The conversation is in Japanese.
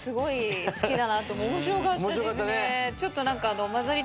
面白かったですね。